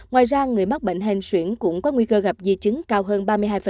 ngoài ra người mắc bệnh hen xuyển cũng có nguy cơ gặp di chứng cao hơn ba mươi hai